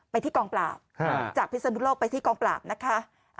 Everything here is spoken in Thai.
ไปที่กองปราบจากพิศนุโลกไปที่กองปราบนะคะ